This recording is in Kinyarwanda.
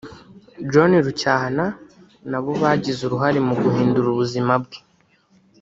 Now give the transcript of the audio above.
John Rucyahana nabo bagize uruhare mu guhindura ubuzima bwe